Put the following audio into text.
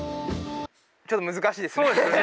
ちょっと難しいですね。